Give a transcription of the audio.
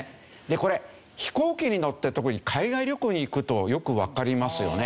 これ飛行機に乗って特に海外旅行に行くとよくわかりますよね。